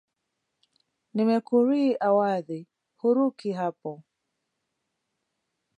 "Nimekurii Awadh, huruki hapo"